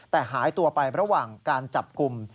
แต่หายตัวไประหว่างการจับกลุ่ม